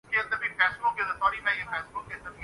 خود کو ایک متوسط شخص سمجھتا ہوں